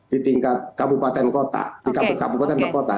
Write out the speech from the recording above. di tingkat kabupaten kota